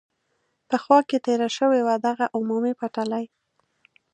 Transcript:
په خوا کې تېره شوې وه، دغه عمومي پټلۍ.